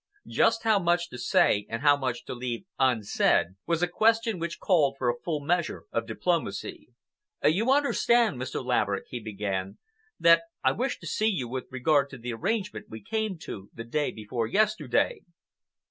Just how much to say and how much to leave unsaid was a question which called for a full measure of diplomacy. "You understand, Mr. Laverick," he began, "that I wished to see you with regard to the arrangement we came to the day before yesterday."